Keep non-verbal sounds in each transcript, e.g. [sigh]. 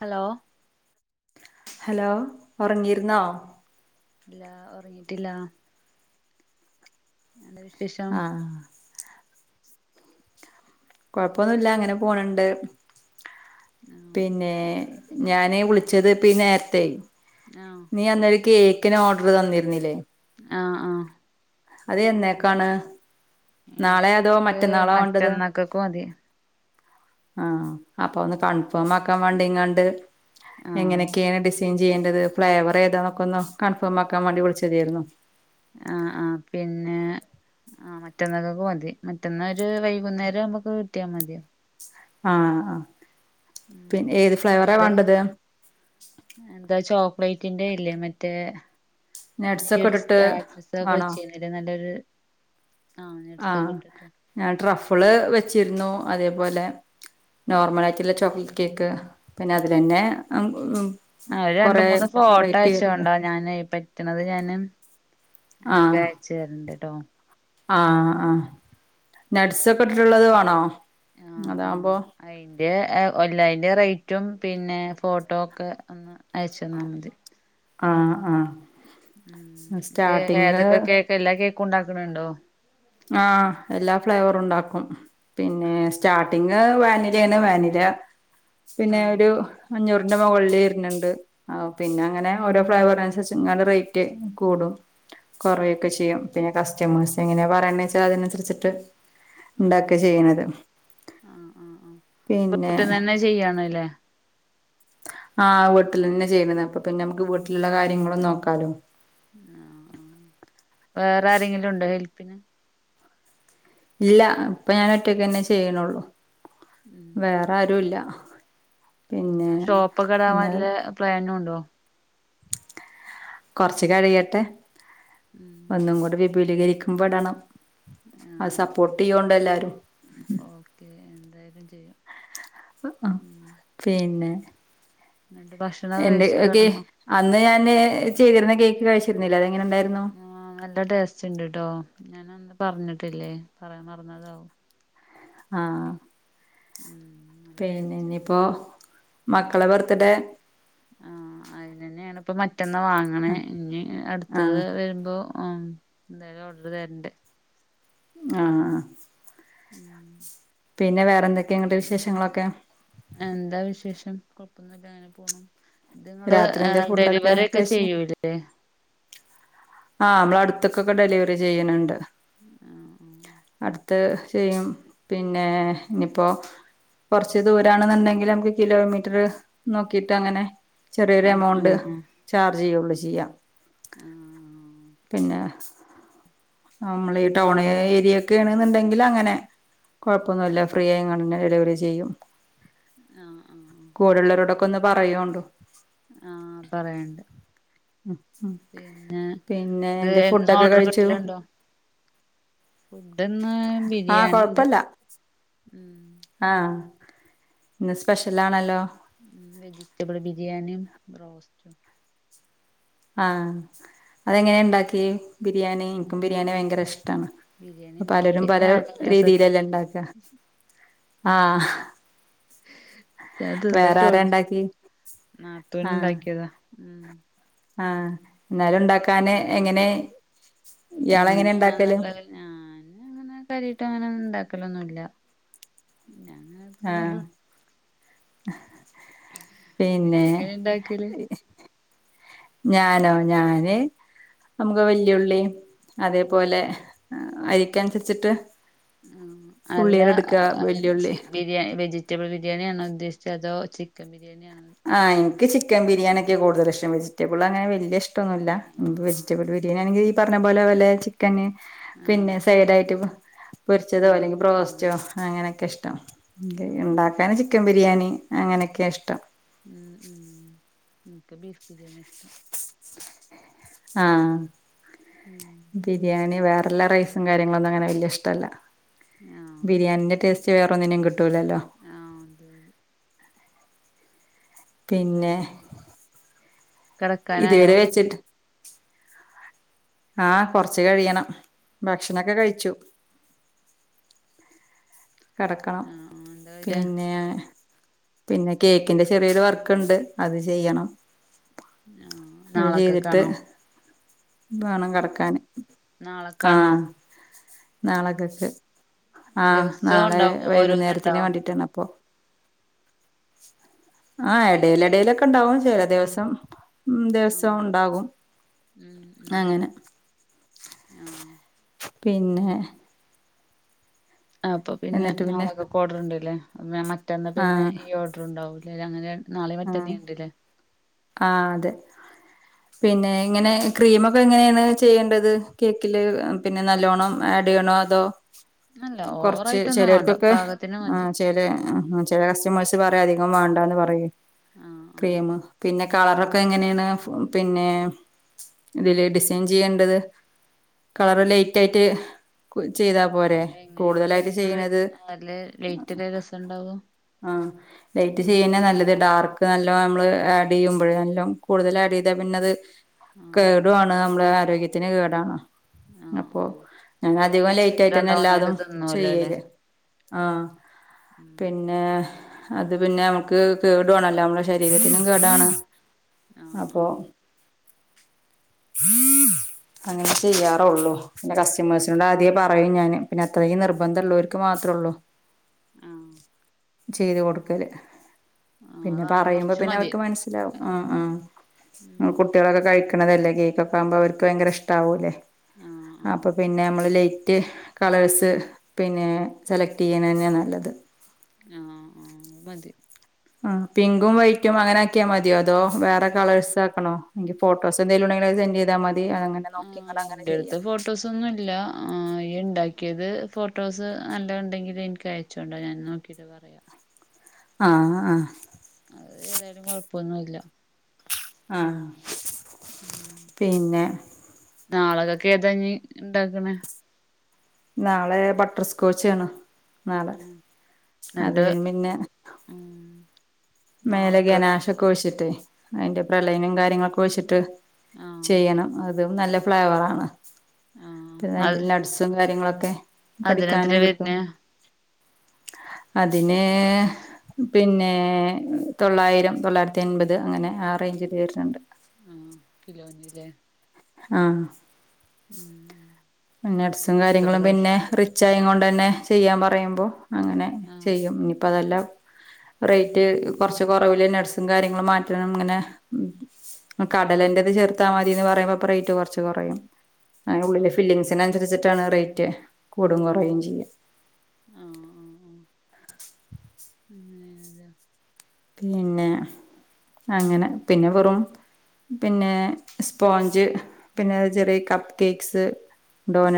Hello hello ഒറങ്ങിരുന്നോ? ഇല്ല ഒറങ്ങിട്ടില്ല എന്താ വിശേഷം ആഹ് കൊഴപ്പൊന്നുല്ല അങ്ങനെ പോണണ്ട് ആഹ് പിന്നെ ഞാന് വിളിച്ചത് ഇപ്പീ നേരത്തേയ് ആഹ് നീയന്നൊരു കേക്കിന് ഓർഡർ തന്നിരുന്നില്ലേ? ആഹ് ആഹ് അത് എന്നേക്കാണ് നാളെ അതോ എനിക്ക് മറ്റന്നാളോ വേണ്ടത്? മറ്റന്നക്കക്ക് മതി ആഹ് അപ്പോ ഒന്ന് കൺഫോമാക്കാൻ വേണ്ടിങ്ങാണ്ട് ആഹ് എങ്ങനെക്കെയാണ് ഡിസൈ ൻ ചെയ്യേണ്ടത് ഫ്ലേവറ് ഏതാന്നൊക്കൊന്ന് കൺഫോമാക്കാൻ വേണ്ടി വിളിച്ചതേരുന്നു ആഹ് ആഹ് പിന്നെ ആഹ് മറ്റന്നാക്കേക്ക് മതി മറ്റന്നാ ഒരു വൈകുന്നേരാവുമ്പോക്ക് കിട്ടിയാ മതിയാ ആഹ് ഉം പിന്നെ ഏത് ഫ്ലേവറാ വേണ്ടത്? എന്താ ചോക്ലേറ്റിന്റെയില്ലേ? മറ്റേ നട്ട്സൊക്കെ അന്നീയ്യൊരു ഇട്ടിട്ട് സ്റ്റാറ്റസൊക്കെ വേണോ വെച്ചീന്നില്ലേ നല്ലൊരു ആഹ് നട്സൊക്കെ ആഹ്, ഇട്ടിട്ട് ഞാൻ ട്രഫിള് വെച്ചിരുന്നു അതേ പോലെ. നോർമൽ ആയിട്ടുള്ള ചോക്ലേറ്റ് കേക്ക് പിന്നെ, ആഹ് അതിലന്നെ കൊറേ വെറൈറ്റി ഞാനേ, പറ്റണത് ഞാനും അൻക്ക ആഹ് അയച്ചു തരണ്ട് ട്ടോ? ആഹ്, ആഹ്, നട്ട്സൊക്കെ ഇട്ടിട്ടുള്ളത് വാണോ? ആഹ് ആഹ് അതാവുമ്പോ? അയിന്റെ ഒ എല്ല അയിന്റെ റേറ്റും പിന്നെ, ഫോട്ടോ ഒക്ക ഒന്ന്. അയച്ചന്നാ, മതി. ആഹ്‌, ആഹ്‌ ഉം, ഏ, ഏതൊക്കെ കേക്ക് എല്ലാ കേക്കും ഉണ്ടാക്കണുണ്ടോ? ആഹ്‌, എല്ലാ ഫ്ലേവറും ഉണ്ടാക്കും. പിന്നെ, ആഹ് സ്റ്റാർട്ടിങ് വാന വാനില പിന്നെ, ആഹ് ഒരു, അഞ്ഞൂറിന്റെ മൊകളിൽ വര്ന്ണ്ട്. ആഹ്‌, പിന്നെ, അങ്ങനെ ഓരോ ഫ്ലൈവറിനുസരിച്ച് ഇങ്ങനെ റേറ്റ് കൂടും. ആഹ് കുറയൊക്കെ ചെയ്യും. പിന്നെ, കസ്റ്റമെഴ്‌സ് എങ്ങനെ പറയണ വെച്ചാൽ അതിനനുസരിച്ചിട്ട്. ഇണ്ടാക്ക ചെയ്യുന്നത്. [unintelligible] വീട്ടിന്നന്നെ ചെയ്യണല്ലേ? ആഹ്, വീട്ടിൽ തന്നെ ചെയ്യുന്നത്. അപ്പൊ, പിന്നെ, നമുക്ക് വീട്ടിലുള്ള കാര്യങ്ങളും നോക്കാലോ. ആഹ്‌, ആഹ്‌, വേറെ ആരെങ്കിലും ഉണ്ടോ ഹെൽപ്പിന് ഇല്ല, ഇപ്പൊ ഞാൻ ഒറ്റക്ക് തന്നെ ചെയ്യണള്ളു? ഉം വേറെ ആരു ഇല്ല. ഷോപ്പൊക്കെ ഇടാവാൻ പിന്നെ വല്ല പ്ലാനും ഉണ്ടോ? കുറച്ച് കഴിയട്ടെ. ഉം ഒന്നും കൂടെ വിപുലീകരിക്കുമ്പടണം. ആഹ്‌, ആഹ് സപ്പോർട്ട് ചെയ്യോണ്ട് എല്ലാരും. ഓക്കെ എന്തായാലും ചെയ്യും. ആഹ് ഉം പിന്നെ ഇന്ന്, ന്ത ഭശ്.... എന്റെ ഓക്കെ, അന്ന് ഞാന് ചെയ്തിരുന്ന കേക്ക് കഴിച്ചിരുന്നില്ലേ? അത്, എങ്ങനെ ഉണ്ടായിരുന്നു. ആഹ്‌, നല്ല ടേസ്റ്റ് ഇണ്ട് ട്ടോ? ഞാനന്ന് പറഞ്ഞിട്ടില്ലേ? പറയാൻ മറന്നതാവും. ആഹ്‌. [unintelligible] പിന്നെ, ടേസ്റ്റ് ഇനി ഉണ്ട് പ്പോ, മക്കളെ ബർത്ത്ഡേ. ആഹ്‌, അതിന് തന്നെയാണ്. ഇപ്പ, മറ്റന്ന വാങ്ങണേ, ആഹ് ഇനി, അടുത്തത് ആഹ് വരുമ്പോ? ആഹ്‌, എന്തായാലും ഓർഡർ തരണ്ട്. ആഹ്‌, ആഹ് ഉം പിന്നെ, വേറെന്തൊക്കെയ ഇന്നട്ട് ഇത് വിശേഷങ്ങളൊക്കെ? എന്താ വിശേഷം. കൊഴപ്പൊന്നുല്ല, അങ്ങനെ പോണ്‌. ഇത് രാത്രി എന്തേ ഫുഡൊക്കെ ങ്ങള്ൾഡെലിവറി ഒക്കെ കഴിച്ച് ചെയ്യൂല്ലേ ആഹ്, നമ്മള അടുത്ത്ക്കൊക്കെ ഡെലിവറി ചെയ്യണണ്ട് [unintelligible] അടുത്ത് ചെയ്യും പിന്നെ, ഇനിയിപ്പോ. കുറച്ച് ദൂരണെന്നുണ്ടെങ്കിൽ, നമക്ക് കിലോമീറ്റർ നോക്കിട്ട് അങ്ങനെ. ചെറിയൊരു ആഹ് എമൗണ്ട് ആഹ് ആഹ് ചാർജ് ചെയ്യുള്ളു. ചെയ്യാം. ആഹ് ആഹ് ഓക്കെ പിന്നെ, നമ്മൾ ഈ ടൗൺ ഏരിയൊക്കെ ആണെന്നുണ്ടെങ്കിൽ അങ്ങനെ. കുഴപ്പൊന്നുല്ല, ഫ്രീയയിങ്ങാണ്ട് തന്നെ ഡെലിവറി ചെയ്യും. ആഹ്‌, ആഹ്‌, ആഹ് കൂടള്ളോ രോടൊക്കെ ഒന്ന് പറയോണ്ടു. ആഹ്‌, പറയണ്ട്. ഉം ഉം പിന്നെ പിന്നെ ഇത് എന്താ എന്നും ഫുഡൊക്കെ ഓർഡർ കഴിച്ചു ഫുഡ്ന്ന് ആ ബിരിയാണിണ്ട് ഉം ആഹ് ഇന്ന് സ്പെഷ്യലാണല്ലോ? ഉം വെജിറ്റബിൾ ബിരിയാണിം ബ്രോസ്റ്റും ആഹ് അതെങ്ങനെ ഇണ്ടാ‌ക്കിയെ ബിരിയാണി ഇൻക്കും ബിരിയാണി ഭയങ്കര ഇഷ്ട്ടാണ് ബിരിയാണി പലരും ഉണ്ടാക്കിയത് പല ഞാനല്ല രീതീലല്ലേ സത്യത്തില് ഇണ്ടാക്ക ആഹ് ഞാ വേറെ ആരാ തിന്നിട്ടോള്ളു ഇണ്ടാക്കി നാത്തൂൻ ആഹ് ഇണ്ടാക്കിയതാ ഉം ആഹ് ഇന്നാലും ഇണ്ടാക്കാന് ഞാന് എങ്ങനെ ഇയാളങ്ങനെ ഇണ്ടാക്കല് എങ്ങനെയാണെന്നുള്ളത് ഞാന് അങ്ങനെ കാര്യായിട്ട് അങ്ങനെ ഇണ്ടാക്കലൊന്നുല്ല ആഹ് [unintelligible] പിന്നെ [unintelligible] ഇണ്ടാക്കല് ഞാനോ ഞാന് നമുക്ക് വെല്ല്യേള്ളീം അതേപോലെ അരിക്ക അനുസരിച്ചിട്ട് അല്ല വല്യുള്ളി [unintelligible] ബിരിയാ വെജിറ്റബിൾ ബിരിയാണിയാണോ ഉദ്ദേശിച്ചത് അതോ ചിക്കൻ ബിരിയാണി ആണോ? ആഹ് ഇൻക്ക് ചിക്കൻ ബിരിയാണിക്കെ കൂടുതലി ഇഷ്ടം വെജിറ്റബിൾ അങ്ങനെ വെല്യേ ഇഷ് ഇഷ്ട്ടോന്നുല്ല ആഹ് ആഹ് വെജിറ്റബിൾ ബിരിയാണിണെങ്കി ഈ പർഞ്ഞ പോലെ വെല്ലേ ക്കന് പിന്നെ ആഹ് സൈഡായിട്ട് പൊരിച്ചതോ ആഹ് അല്ലെങ്കി ആഹ് ബ്രോസ്റ്റോ ആഹ് അങ്ങനെക്കെ ഇഷ്ടം ആഹ് ഇണ്ടാക്കാൻ ചിക്കൻ ബിരിയാണി അങ്ങനെക്കെ ഇഷ്ടം ഉം ഉം ഇൻക്ക് ബീഫ്‌ ബിരിയാണിയാ ഇഷ് ആഹ് ഉം ഉം ബിരിയാണി വേറെല്ല റൈസും കാര്യങ്ങളൊന്നും അങ്ങനെ വെല്യേ ഇഷ്ട്ടല്ല ആഹ് ബിരിയാണിന്റെ ടേസ്റ്റ് വെറെന്നിനും കിട്ടൂല്ലല്ലോ ആഹ് അതെ അതെ പിന്നെ ഇന്നട്ട് കേടക്കാനായോ? ഇതുവരെ വെച്ചിട്ട് ആഹ് കൊറച്ച് കഴിയണം ഭക്ഷണം ഒക്കെ കഴിച്ചു കെടക്കണം ആഹ് ആഹ് എന്താ കഴിച്ചേ പിന്നെ പിന്നെ കേക്കിന്റെ ചെറിയൊരു വർക്ക് ഇണ്ട് അത് ചെയ്യണം ആഹ് നാളക്കക്കാണോ? ബാണം കെടക്കാന് നാളെക്കാണോ ആഹ് നാളെ കക്ക് ആഹ് ദിവസോം നാളെ ഉണ്ടാവോ വൈകുന്നേരത്തിന് ഓരോന്നുണ്ടാവോ വേണ്ടിട്ടാണ് അപ്പൊ ആഹ് എടെല് എടെലൊക്കെ ഇണ്ടാവും ചെല ദിവസം ഉം ദിവസം ആഹ് ഇണ്ടാകും. ഉം ഉം ആഹ് പിന്നെ അപ്പ പിന്നെ നാളക്കക്ക് ഓഡ്റ്ണ്ട്ലെ മറ്റന്നാ പിന്നെ ആഹ് ഈ ഓഡ്റ് ഇണ്ടാവൂലേ [unintelligible] നാളീം ആഹ് മറ്റന്നെ ഇണ്ട്ല്ലെ? ആഹ് അതെ പിന്നെ ഇങ്ങനെ ക്രീമൊക്കെ എങ്ങനെണ് ചെയ്യേണ്ടത് കേക്കില് പിന്നെ നല്ലോണ്ണം ആഡ് ചെയ്യണോ അതോ? അല്ല കൊർച്ച് ഓവറായിട്ടൊന്നും വേണ്ട ചെലോർക്കൊക്കെ പാകത്തിന് മതി ആഹ് ചേലെ കസ്റ്റമേഴ്സ് പറയും അധികം വേണ്ടന്ന് പറയും ആഹ് ആഹ് ക്രീംമ് പിന്നെ കളറൊക്കെ എങ്ങനെണ് പിന്നെ ഇതില് ഉം ചേഞ്ച്യ്യേണ്ടത് കളറ് ലൈറ്റ് ആയിട്ട് കു ചെയ്താ ആഹ് പോരെ എങ്ങനെ ഒരു കൂടുതലായിട്ട് രസം ചെയ്യ്ണത് വര് നല്ല ലേറ്റല്ലേ രസണ്ടാവ ആഹ് ലൈറ്റ് ചെയ്യന്നെ നല്ലത് ഡാർക്ക് നല്ല നമ്മള് ആ ഡെയ്യുമ്പയെ നല്ലം കൂടുതലാഡെയ്താ പിന്നത് ആഹ് കേടുആണ് നമ്മടെ ആരോഗ്യ ത്തിന് കേടാണ് ആഹ് അപ്പൊ ആഹ് ഞാന കുട്ടികളൊക്കെ അധികം ലേറ്റ് കേക്ക് ആയിട്ടെന്നെ കണ്ടാ ഒന്നായിട്ട് എല്ലാതും തിന്നുവല്ലോ അല്ലേ ചെയ്യല് ആഹ് ഉം പിന്നെ അത് പിന്നെ ഞമ്മക്ക് കേടുവാണല്ലോ അമ്മളെ ശരീരത്തിനും കേടാണ് ആഹ് അപ്പൊ ആഹ് അങ്ങനേ ചെയ്യാറൊള്ളൂ പിന്നെ കസ്റ്റമേഴ്സിനോട് ആദ്യേ പറയും ഞാന് പിന്നെ അത്രീം നിർബന്ധുള്ളോര്ക്ക് മാത്രൊള്ളൂ ആഹ് ചെയ്തു കൊടുക്കല് ആഹ് അത് പിന്നെ വേണ്ട പറയുമ്പോ കൊറച്ച് പിന്നെ അവർ മതി ക്ക്‌ മനസിലാവും ആഹ് ആഹ് ഉം ങ്ങളെ കുട്ടിയാളൊക്കെ കഴിക്ക്‌ ക്ക്‌ണതല്ലേ കേക്കൊക്കാവുമ്പോ അവർക്ക് ഭയങ്കര ഇഷ്ടാവൂലേ ആഹ് ആ അപ്പോ പിന്നെ നമ്മൾ ലൈറ്റ് കളേഴ്സ് പിന്നെ സെലക്ട് ചെയ്യ്ണന്ന്യാ നല്ലത് ആഹ് ആഹ് അഹ് മതി ആഹ് പിങ്കും വൈറ്റും അങ്ങനെ ആക്കിയാ മതിയോ അതോ വേറെ കളേഴ്സ് ആക്കണോ ഫോട്ടോസ് എന്തേലുണ്ടെങ്കില് അത് സെന്റ് ചെയ്താ മതി അങ്ങനെ നോക്കിയും കണ്ടും അങ്ങനെ ചെയ്യാം ഫോട്ടോസൊന്നുമില്ല ഇയ്യ് ഇണ്ടാക്കിയത് ഫോട്ടോസ് നല്ലത്ണ്ടെങ്കിൽ ഇൻക്ക് അയച്ചോണ്ടാ ഞാൻ നോക്കിയി ട്ട് പറയാം ആഹ് ആഹ് അത് ഏതായാലും കൊഴപ്പൊന്നുഇല്ല ആഹ് ഉം പിന്നെ നാളക്കെക്ക്‌ ഏതാ ഇഞ് ഇണ്ടാക്ക്‌ണേ നാളെ ബട്ടർസ്കോച്ച് ആണ് ആഹ് ന്നട്ട് പിന്നെ ഉം മേലെ നാളെക്കക്ക് ഗനാശൊക്കെ ഒഴിച്ചിട്ട് അതിന്റെ പ്രളയനം കാര്യങ്ങളൊക്കെ ഒഴിച്ചിട്ട് ആഹ് ചെയ്യണം അതും നല്ല ഫ്ലേവറാണ് ആഹ് പിന്നെ അയ്ന്റെ അത് ഉള്ളിൽ നട്സും കാര്യങ്ങളൊക്കെ കടിക്കാനും അതിനെത്രയാ കിട്ടും വര്ണെ അതിന് പിന്നേ തൊള്ളായിരം തൊള്ളായിരത്തി അൻപത് അങ്ങനെ ആ റേഞ്ചില് വെര്ണ് ണ്ട് ആഹ് കിലോന്ല്ലേ ആഹ് ഉം നട്സും അടുത്ത കാര്യങ്ങളും പിന്നെ പ്രാവശ്യം റിച്ച് ആയിങ്ങോണ്ടന്നെ ചെയ്യാൻ പറയുമ്പം അങ്ങനെ ആഹ് ചെയ്യും ഇനിയിപ്പം അതല്ല റേറ്റ് കൊറച്ച് കൊറവില് നട്സും കാര്യങ്ങളും മാറ്റണം ഇങ്ങനെ കടലന്റെത് ചേർത്താ ആഹ് മതിന്ന് പറയുമ്പം റേറ്റ് കൊറച്ച് കൊറയും അതയ്നുള്ളിലെ ആഹ് ഫില്ലിങ്ങ്സിനൻസ സരിച്ചിട്ടാണ് റേറ്റ് കൂടും കൊറയും ചെയ്യ ആഹ് ആഹ് ആഹ് അങ്ങനെയാണ്ല്ലേ പിന്നെ അങ്ങനെ പിന്നെ വെറും പിന്നെ സ്പോഞ്ച് പിന്നെ ചെറിയ കപ്പ് കേക്ക്സ്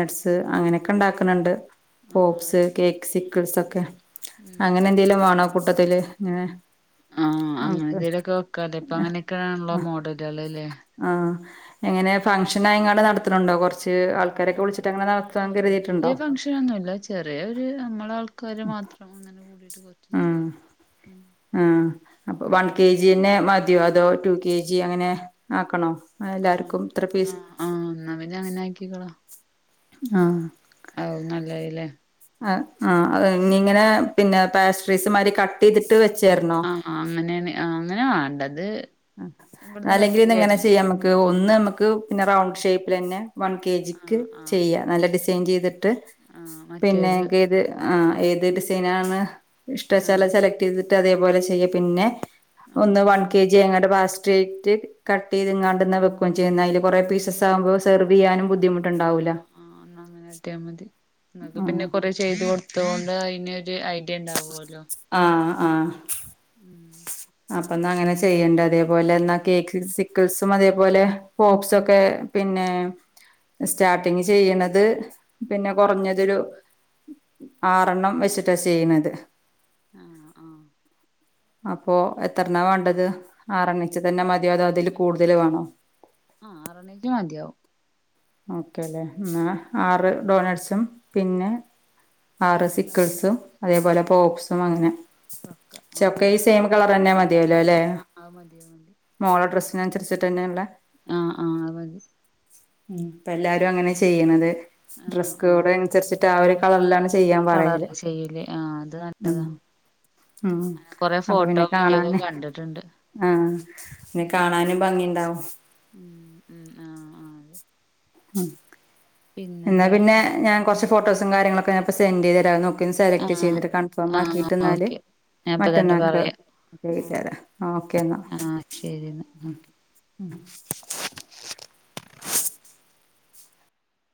ആഹ് അങ്ങനെയൊക്കെ ഇണ്ടാക്ക്‌ണ് ണ്ട് ആഹ് അത് പോപ്സ്, കേക്ക് സിക്കിൾസൊക്കെ ഉം അങ്ങനെ എന്തെങ്കിലും വാണോ ആ കൂട്ടത്തില് ങ്ങനെ ആഹ് അങ്ങനെ എന്തേലുമൊക്കെ വെക്കാല്ലേ ഇപ്പം അങ്ങനെയൊക്കെയാണല്ലോ മോഡലേള്ല്ലേ ആഹ് എങ്ങനെ ഫങ്ഷനായങ്ങാണ്ട് നടത്ത്ണുണ്ടോ കുറച്ച് ആൾക്കാരെയൊക്കെ വിളിച്ച് ട്ടങ്ങനെ നടത്താൻ കരുതിയിട്ടുണ്ടോ ഫങ്ക്ഷനൊന്നുല്ല ചെറിയൊരു നമ്മളെ ആൾക്കാര് മാത്രം അങ്ങനെ കൂടിയിട്ട് കൊ ആഹ് [inaudible] ആഹ് അപ്പോ വൺ കെ ജി എന്നെ മതിയോ അതോ ടു കെ ജി അങ്ങനെ ആക്കണോ ആഹ് എല്ലാർക്കും ഇത്ര പീസ് ആഹ് ആഹ് എന്നാ പിന്നെ അങ്ങനെ ആക്കിക്കാളാ ആഹ് അതാവും നല്ലയ്ല്ലേ ആഹ് ആഹ് ഇനി ഇങ്ങനെ പിന്നെ പാസ്ട്രീസ് മാതിരി കട്ട് ചെയ്തിട്ട് വെച്ചെര്ന്നോ ആഹ് അങ്ങനെയാണ് ആ അങ്ങനെ വാണ്ടത് ആഹ് അല്ലെങ്കിൽ പിന്നെ ഇങ്ങനെ ചെയ്യാം നമക്ക് ഒന്ന് നമ്മക്ക് പിന്നെ റൗണ്ട് ഷേപ്പിലെന്നെ വൺ കെ ജിക്ക് ആഹ് ആഹ് ചെയ്യാം നല്ല ഡിസൈൻ ചെയ്തിട്ട് ആഹ് പിന്നെ മറ്റേത് എക്ക് ഇത് ആഹ് ഏത് ഡിസൈൻ ആണ് ആഹ് ഇഷ്ടാച്ചാല് അത് സെലക്ട് ചെയ്തിട്ട് അതേപോലെ ചെയ്യാ പിന്നെ ആഹ് ഒന്ന് വൺ കെ ജി അങ്ങട് പാസ്ട്രേറ്റ് കട്ട് ചെയ്ത് ങ്ങാണ്ട്ന്ന വെക്കും ചെയ്യ ന്നാ അയില് കൊറേ പീസസ് ആവുമ്പോ സെർവ് ചെയ്യാനും ബുദ്ധമു ആഹ് ആഹ് ന്നാ അങ്ങനെ കാട്ടിയാ മതി ഇങ്ങക്ക് പിന്നെ കൊറേ ചെയ്ത് കൊടുത്തോണ്ട് അയിന് ഒരു ഐഡിയ ഇണ്ടാവൊല്ലോ ആഹ് ആഹ് ഉം അപ്പം അപ്പൊ ന്നാ പിന്നെ അങ്ങനെ ചെ യ്യണ്ട് അതേപോലെ ന്നാ കേക്ക് സിക്കിൾസും അതേപോലെ പോക്സൊക്കെ പിന്നെ സ്റ്റാർട്ടിങ് ചെയ്യ്ണത് പിന്നെ കൊർഞ്ഞതൊരു ആറെണ്ണം വെച്ചിട്ടാ ചെയ്യ്ണത്. ആഹ് ആഹ് അപ്പോ എത്രണ്ണാ വാണ്ടത് ആറെണ്ണേ ച്ച്തെന്നെ ആഹ് മതിയോ അതോ അതില് ആറെണ്ണീച്ചെ കൂടുതൽ വാണോ? ആഹ് ആറെണ്ണീച്ചെ മതിയാവും ഓക്കെലേ ഇന്നാ ആറ് ഡോണെട്സും പിന്നെ ആറ് മറ്റേ സിക്കിൾസും ആഹ് അതേപോലെ പോപ്സും അങ്ങനെ പക്ക ചൊക്കെ ആഹ് ഈ സെയിം കളറെന്നെ മ തിയാവുലോലെ ആഹ് അത് മതി അത് മതി മോളെ ഡ്രസ്സിനനുസരിച്ചിട്ട്ന്നെള്ളെ ആഹ് ആഹ് അത് മതി ഉം ഇപ്പ എല്ലാരും അങ്ങനെ ചെയ്യ്ണത് ആഹ് ഡ്രസ്സ്‌ ആഹ് കോഡ് അൻസര്ച്ച് ട്ടാ ഒര് കളറിലാണ് ചെയ്യാൻ പറയല് കളറില് ചെയ്യൂലേ ആഹ് അത് ആഹ് ആഹ് കൊറേ ഫോട്ടോ വീഡിയോക്കെ കണ്ടിട്ടുണ്ട്. ആഹ് ന്നെ കാണാനും ഭംഗിണ്ടാവും. ഉം ഉം ആഹ് ആഹ് അതെ ഉം ഇന്നാ പിന്നെന്താ പിന്നെ പറ ഞാൻ കൊർച്ച് ഫോട്ടോസും കാര്യങ്ങളൊക്കെ ഞാപ്പം സെൻഡ് ചെയ്ത് തെരാന്നു ക്കെന്ന് സെലക്ട് ആഹ് ചെയ്തിട്ട് ആഹ് കൺഫോമാക്കീട്ട് ഇന്നാല് ഓക്കെ ഞാൻ ഇപ്പ തന്നെ മറ്റെന്നാക്ക് പറയാം ആക്കിതെര ഓക്കെന്നാ. ആഹ് ശരി എന്നാ ഓക്കെ ഉം